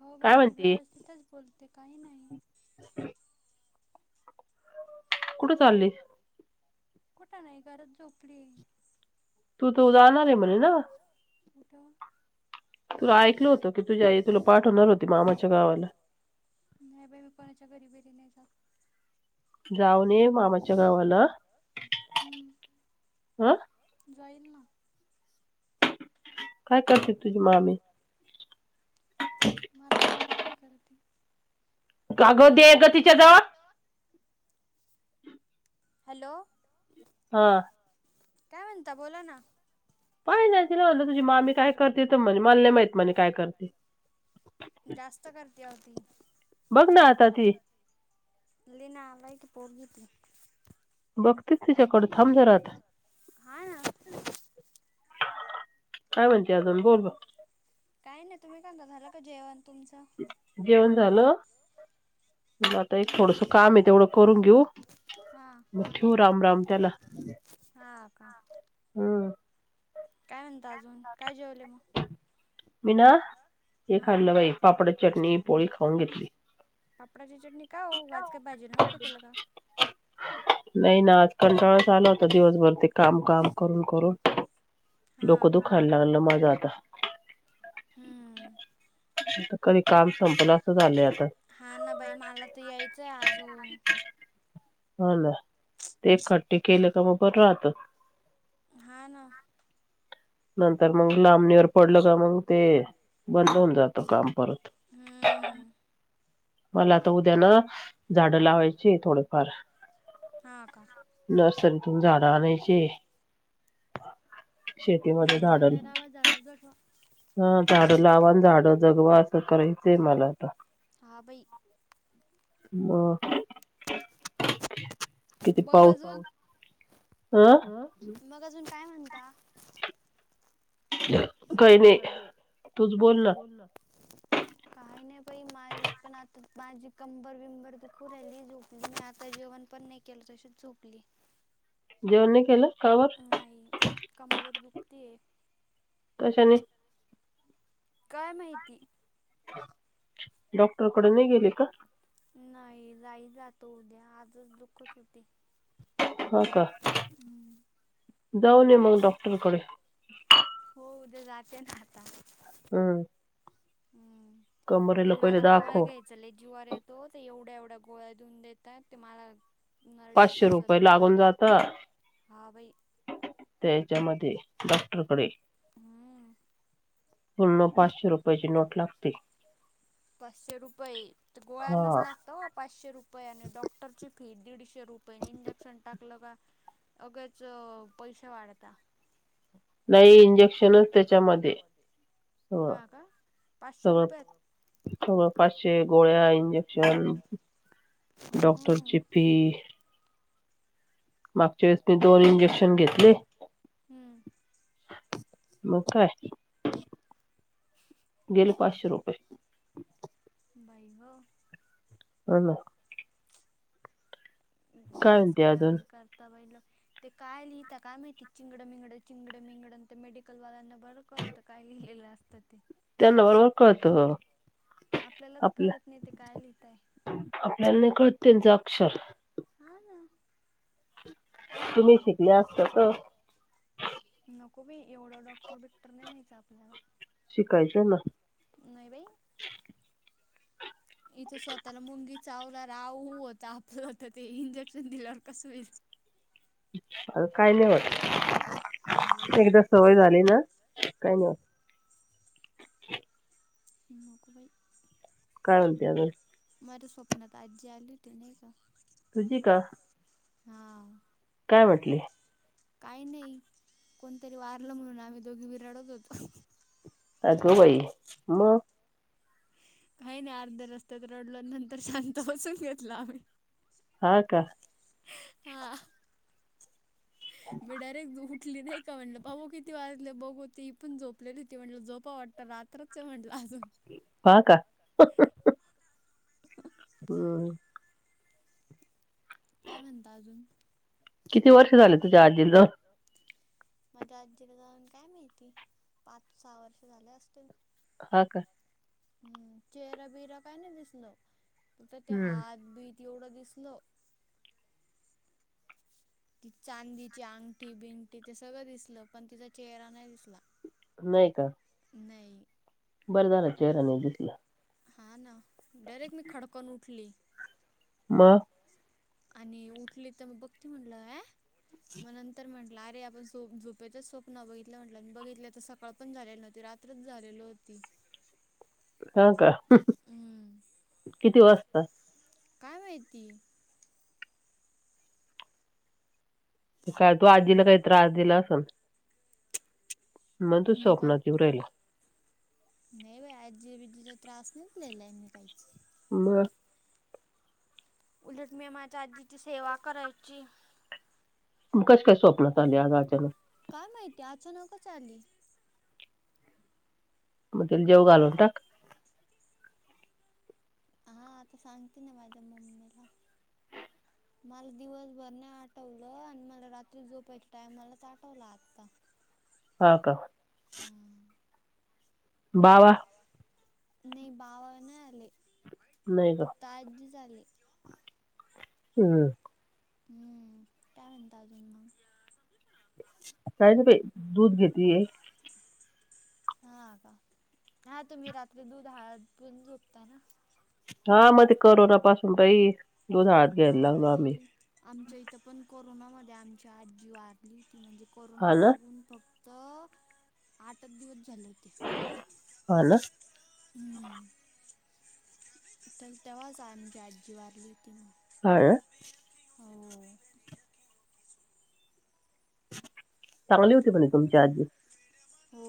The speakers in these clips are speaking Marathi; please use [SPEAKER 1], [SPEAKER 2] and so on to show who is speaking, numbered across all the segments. [SPEAKER 1] हो बाई मी व्यवस्थितच बोलते काही नाही.
[SPEAKER 2] [inaudible] कुठे चालले?
[SPEAKER 1] कुठं नाही गरच झोपली.
[SPEAKER 2] तू तर उद्याणार आहे म्हणे ना.
[SPEAKER 1] कुठं.
[SPEAKER 2] तुला ऐकल होतं की तुझ्या तुला पाठवणार होती मा मामाच्या गावाला.
[SPEAKER 1] नाही को. दि का.
[SPEAKER 2] जाऊन ये मामाच्या गावाला हं.
[SPEAKER 1] जाईल ना.
[SPEAKER 2] काय करते तुझी मामी.
[SPEAKER 1] म ल कायमत काय करती.
[SPEAKER 2] काग दे ग तिच्या जावळ.
[SPEAKER 1] हॅलो.
[SPEAKER 2] हा.
[SPEAKER 1] काय म्हणता? बोला ना.
[SPEAKER 2] पाय ना तिला म्हणलं तुझी मामी काय करते? तर म्हणे म्हणले माहित म्हणे काय करते.
[SPEAKER 1] जास्त करते ती बग ना आता. लई नालायक पोरगी ती.
[SPEAKER 2] बघतेच तुच्याकडे थांब जरा आता. काय म्हणती अजून बोल?
[SPEAKER 1] काही नाही तुम्ही काय म्हणता. झाला का जेवण तुमचं?
[SPEAKER 2] झालं आता एक थोडस काम आहे तेवढं. करून घेऊ मग ठेव राम राम त्याला. हम्म
[SPEAKER 1] काय म्हणत अजून काय जेवले मग?
[SPEAKER 2] मी ना हे खाल्लं बाई पापड चटणी पोळी खाऊन घेतली.
[SPEAKER 1] नव्हतं केला का?
[SPEAKER 2] नाही ना आज कंटाळाच आला होता दिवसभर ते काम काम करून करून. डोकं दुखायला लागलं मजा आता.
[SPEAKER 1] हम्म
[SPEAKER 2] कधी काम संपलं असं झालंय आता.
[SPEAKER 1] हा ना बाई मला तर यायचं आहे अजून.
[SPEAKER 2] हो ना ते एक खट्टी केलं की बरं राहतं.
[SPEAKER 1] हा ना.
[SPEAKER 2] नंतर मग लांबणीवरर पडलं का मग ते बंद होऊन जात काम परत ह मला आता उद्या ना झाडं लावायची थोडेफार.
[SPEAKER 1] हा का.
[SPEAKER 2] अजून झाडं आणायचे.
[SPEAKER 1] हम्म झाडे लावा झाडे जगवा.
[SPEAKER 2] हा झाड लावा आणि झाड जगवा असं करायचंय मला आता.
[SPEAKER 1] हा बाई
[SPEAKER 2] हा किती पाऊस?
[SPEAKER 1] ह मग अजून काय म्हणता?
[SPEAKER 2] काही नाही तूच बोल ना.
[SPEAKER 1] काय नाही बाई. माझी कंबर बंबर तर दुखु राहिली झोपली मी आता जेवण पण नाही केलं आता तशीच झोपली.
[SPEAKER 2] ह जेवन नाही केल?
[SPEAKER 1] नाही कंबर दुखती.
[SPEAKER 2] अशानी?
[SPEAKER 1] काय माहिती.
[SPEAKER 2] डॉक्टरकडे नाही गेले का?
[SPEAKER 1] नाही जाई जातो उद्या आजच दुःखच होते.
[SPEAKER 2] हा का जाऊन ये मग डॉक्टरकडे.
[SPEAKER 1] हो उद्या जाते ना आता.
[SPEAKER 2] हम्म
[SPEAKER 1] हम ते मला गोळ्या घ्यायचा जीवावर येतो ते एवढ्या एवढ्या. गोळ्या देऊन देतात ते मला.
[SPEAKER 2] पाचशे रुपये लागून जात त्याच्यामध्ये. डॉक्टरकडे. पूर्ण पाचशे रुपयाची नोट लागते.
[SPEAKER 1] पाचशे रुपये गोळ्यानाच लागत पाचशे रुपये आणि डॉक्टरची फी दीडशे. इंजेक्शन टाकलं का लगेच पैसे वाढता
[SPEAKER 2] नाही इंजेक्शनच त्याच्यामध्ये.
[SPEAKER 1] हा का
[SPEAKER 2] सगळं सगळं पाचशे मध्ये गोळ्या इंजेक्शन डॉक्टर फी. मागच्या वेळेस मी दोन इंजेक्शन घेतले.
[SPEAKER 1] हम्म.
[SPEAKER 2] म काय. गेले पाचशे रुपये
[SPEAKER 1] बाई गं
[SPEAKER 2] हो. ना
[SPEAKER 1] लईच हे करता बाई ते काय लिहिता काय माहिती चिंगड मििंगड चिंगड मििंगड मेडिकल वाल्यांना बरं काय लिलेलं असत ते
[SPEAKER 2] त्यांना बरोबर कळत आपल्या आपल्याला नाही कळतं त्यांचं अक्षर
[SPEAKER 1] हा ना.
[SPEAKER 2] तुम्ही शिकले असत्यात
[SPEAKER 1] नको बाई एवढं डॉक्टर बिकटर नाही व्हायचं आपल्याला
[SPEAKER 2] शिकायचं ना.
[SPEAKER 1] इथं स्वतःला मुंगी. चावलाव वर आऊ होतें आपलं तर ते इंजेक्शन दिल्यावर कसं होईल.
[SPEAKER 2] आग काही नाही होतं एकदा सवय झाली ना काही नाही होतं
[SPEAKER 1] नको बाई.
[SPEAKER 2] काय मानती आजून
[SPEAKER 1] माझ्या स्वप्नात आजी आली होती नाही का.
[SPEAKER 2] तुझी का.
[SPEAKER 1] हा.
[SPEAKER 2] काय म्हटली.
[SPEAKER 1] काही नाही कोणतरी वारलं म्हणून आम्ही दोघी रडतं होतो.
[SPEAKER 2] अगं बाई म.
[SPEAKER 1] का नाही अर्ध्या रस्त्यात रडलो नंतर शांत बसून घेतला आम्ही
[SPEAKER 2] हा का. [inaudible]
[SPEAKER 1] मी डायरेक्ट उठली नाही का म्हणले पाहू किती वाजले बघ होतेी पण झोपलेली होती म्हटलं झोपा वाटत. रात्रचं म्हटलंआज.
[SPEAKER 2] हा का.
[SPEAKER 1] ह
[SPEAKER 2] हो
[SPEAKER 1] काय म्हणत अजून
[SPEAKER 2] किती वर्ष झाले. तुझ्या आजी जाऊन
[SPEAKER 1] माझ्या आजीला जाऊन काय माहिती पाच सहा वर्ष झाले असतील.
[SPEAKER 2] हा का.
[SPEAKER 1] हम् चेहरा भिरा काय नाही दिसला ते हात भित तेवढं दिसलं तिची चांदीची अंगठी भिंटी ते सगळं दिसलं पण तिचा चेहरा नाही दिसला.
[SPEAKER 2] नाही का. बरं झालं चेहरा नाही दिसला
[SPEAKER 1] हा ना डायरेक्ट मी खडकन उठली.
[SPEAKER 2] मंग
[SPEAKER 1] आणि उठली तर मग बघती म्हणलं या मग नंतर म्हटलं अरे आपण झोपेच स्वप्न बघितलं म्हटलं बघितलं तर सकाळ पण झालेली नव्हती रात्र रात्रच झालेलं होती.
[SPEAKER 2] [inaudible] हो का किती वाजता?
[SPEAKER 1] काय माहिती.
[SPEAKER 2] काय तू आजीला काही त्रास दिला असंल. म्हणून, तू स्वप्नात येऊ राहिली.
[SPEAKER 1] नाही बाई आजीबीजीचा त्रास नाही दिलेला मी काहीच.
[SPEAKER 2] मगं
[SPEAKER 1] उलट मी माझ्या आजीची सेवा करायची.
[SPEAKER 2] मगं कशी काय स्वप्नात आली आज अचानक?
[SPEAKER 1] अचानकच आली.
[SPEAKER 2] मग तील जेवुन घालवून टाक.
[SPEAKER 1] हा आता सांगते ना माझ्या मम्मीला.
[SPEAKER 2] [inaudible]
[SPEAKER 1] मला दिवसभर नाही आठवलं आणि मला रात्री झोपायचा टाइम मलाच आठवला आता.
[SPEAKER 2] हा का, बावा
[SPEAKER 1] नाही बावा नाही आले, फक्त आजीच आली.
[SPEAKER 2] हम्म
[SPEAKER 1] हम्म काय म्हणता अजून मग?
[SPEAKER 2] काय गं बाई दूध घेते.
[SPEAKER 1] हा का हा तुम्ही रात्री दूध हळद पिऊन झोपता ना?
[SPEAKER 2] हा म ते करोना पासून बाई दूध हळद प्यायला लागलो आम्ही.
[SPEAKER 1] कोरोनामध्ये आमची आजी वारली, ती म्हणजे कोरोना लागून फक्त हो आठच दिवस चाललंय ते. तर तेव्हाच आमची आजी वारली होती मग.
[SPEAKER 2] हा अ चांगली होती. पण तुमची आजी.
[SPEAKER 1] हो.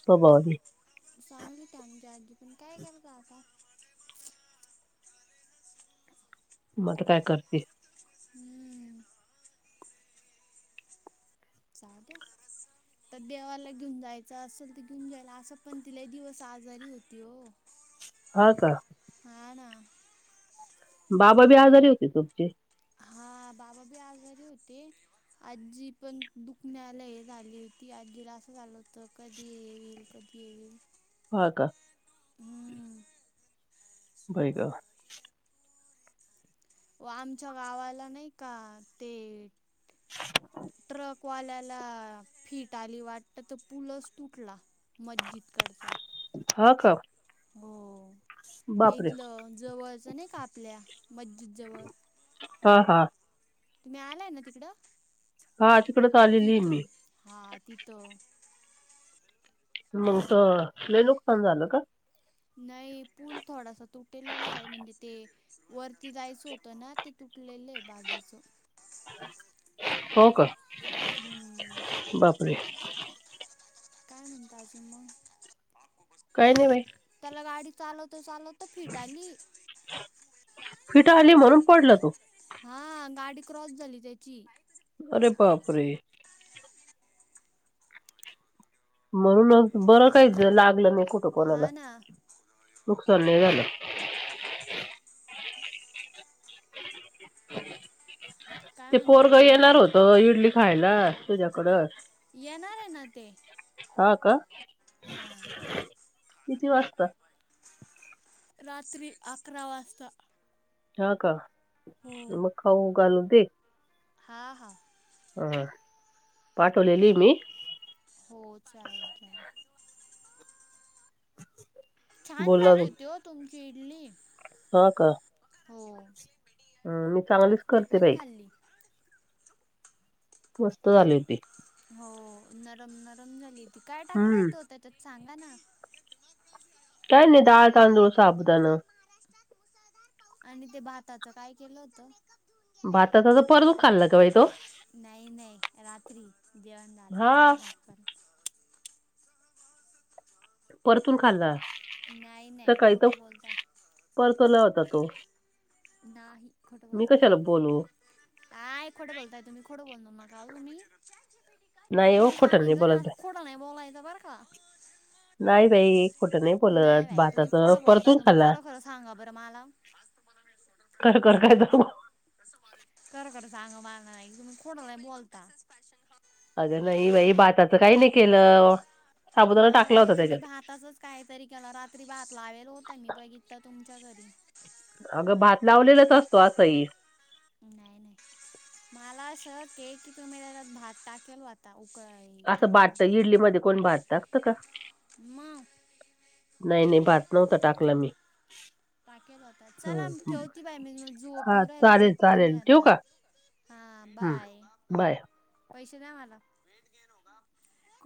[SPEAKER 2] स्वभावाने
[SPEAKER 1] चांगली होती आमची आजी. पण काय करता आता?
[SPEAKER 2] मग काय करते?
[SPEAKER 1] हम्म चाय द्या [inaudible] तर देवाला घेऊन जायचं असल तर घेऊन जायल. असं पण ती लई दिवस आजारी होती हो.
[SPEAKER 2] हा का बाबा बी आजारी होते तुमचे?
[SPEAKER 1] बाबाबी आजारी होते. आजी पण दुखण्याला हे झाली होती. आजीला असं झालं होत कधी हे येईल कधी [unintelligible]
[SPEAKER 2] हा का?
[SPEAKER 1] हम्म,
[SPEAKER 2] बय गं.
[SPEAKER 1] अवो आमच्या गावाला नाही का ते ट्रक वाल्याला फीट आली वाटतं तर पुूलच तुटला मस्जिदकडचा.
[SPEAKER 2] हा का
[SPEAKER 1] हो एकलं जवळच नाही का आपल्या मस्जिद जवळ
[SPEAKER 2] हा हा
[SPEAKER 1] तुम्ही आलाय ना तिकडं
[SPEAKER 2] हा तिकडच आलेली आहे मी
[SPEAKER 1] तिथं
[SPEAKER 2] मग लई नुकसान झालं का
[SPEAKER 1] नाही पूल थोडासा तुटलेला आहे म्हणजे ते वरती जायचं होत ना ते तुटलेले आहे बाजुच
[SPEAKER 2] हो का बापरे
[SPEAKER 1] काय म्हणता आजी मग त्याला गाडी चालव तू चालवतो तर फिट आली
[SPEAKER 2] फिट आली म्हणून पडलं तो,
[SPEAKER 1] हा गाडी क्रॉस झाली त्याची,
[SPEAKER 2] अरे बाप रे म्हणूनच बरं काही लागलं नाही कुठं कोणाला नुकसान लई झालं ते पोरग येणार होत इडली खायला तुझ्याकड
[SPEAKER 1] येणार आहे ना ते
[SPEAKER 2] हा का किती वाजता
[SPEAKER 1] रात्री अकरा वाजता
[SPEAKER 2] हा का मग खाऊ घालु दे
[SPEAKER 1] हा हा
[SPEAKER 2] हा पाठवलेली मी
[SPEAKER 1] हो चालेल चालेल छान झाली होती हो तुमची इडली
[SPEAKER 2] हा का
[SPEAKER 1] हो
[SPEAKER 2] हा मी चांगलीच करते बाई मस्त झाले होते
[SPEAKER 1] हो नरम नरम झाली ती काय टाकल होतो त्याच्यात सांगा ना
[SPEAKER 2] काय नाही डाळ तादुंळ शाबुदाणा
[SPEAKER 1] आणि ते भाताच काय केलं होत
[SPEAKER 2] भाताच तर परतू खाल्ला का बाई तो
[SPEAKER 1] नाही नाही रात्री जेवण जाणार कोणता भात कर
[SPEAKER 2] परतून खाल्ला
[SPEAKER 1] नाही नाही खोटं बोलताय
[SPEAKER 2] खुल्ला होता तो
[SPEAKER 1] नाही खोटं बोलताय काय खोटं बोलताय तुम्ही खोटं बोलणार मग काहुन तुम्ही तुम्हाला सांगितलं ना अस खोटं नाही बोलायच बर का
[SPEAKER 2] नाही बाई
[SPEAKER 1] नाही बाई तुम्ही खोटं बोलताय तुम्ही खरं खरं सांगा बरं मला
[SPEAKER 2] खरं खरं काय सांगु
[SPEAKER 1] सांगा बाई तुम्ही खोटं लई बोलता
[SPEAKER 2] अगं नाही बाई भाताचं काही नाही केलं.
[SPEAKER 1] नाही बाई तुम्ही भाताचच काहीतरी केला रात्री भात लावेल होत मी बघितल तुम्ही. च्या घरी.
[SPEAKER 2] अगं भात लावलेलाच असतो असाही.
[SPEAKER 1] नाही नाही मला अस केक तु्ही त्यात भात टाकेल हो आता.
[SPEAKER 2] असं बाटत इडलीमध्ये कोणी भात टाकतो का. भात नव्हत टाकलं मी.
[SPEAKER 1] टाकेला होता चला आ ठेवती बाय म झोप येऊ राहिली झोपती आता.
[SPEAKER 2] हम्म बाय.
[SPEAKER 1] पैसे नाही मला.